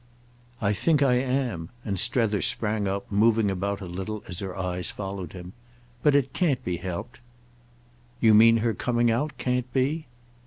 "I think I am!"—and Strether sprang up, moving about a little as her eyes followed him. "But it can't be helped." "You mean her coming out can't be?"